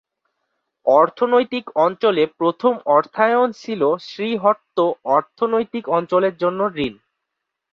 অর্থনৈতিক অঞ্চলে প্রথম অর্থায়ন ছিল শ্রীহট্ট অর্থনৈতিক অঞ্চলের জন্য ঋণ।